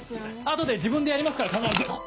後で自分でやりますから必ずうっ。